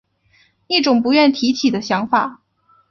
一种不愿提起的想法